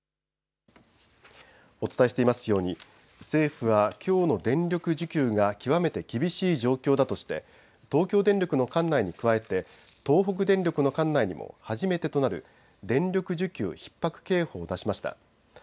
お伝えしていますように政府はきょうの電力需給が極めて厳しい状況だとして東京電力の管内に加えて東北電力の管内にも初めてとなる電力需給ひっ迫警報を出しました。